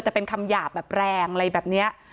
แต่เป็นคำหยาบแบบแรงอะไรแบบนี้